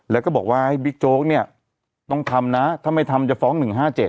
แล้วก็บอกว่าให้บิ๊กโจ๊กตรงทำนะถ้าไม่ทำจะฟ้องหนึ่งห้าเจ็ด